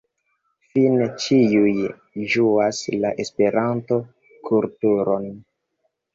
Fine ĉiuj ĝuas la Esperanto-kulturon.